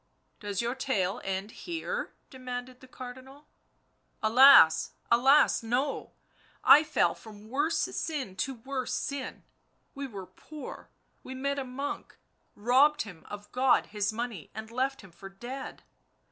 u Does your tale end here?" demanded the Cardinal. u Alas ! alas ! no; I fell from worse sin to worse sin — we were poor, we met a monk, robbed him of God His money, and left him for dead